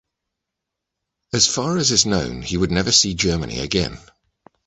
As far as is known he would never see Germany again.